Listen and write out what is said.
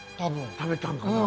食べたんかな。